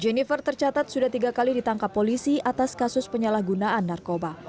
jennifer tercatat sudah tiga kali ditangkap polisi atas kasus penyalahgunaan narkoba